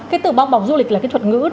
cái từ bong bóng du lịch là cái thuật ngữ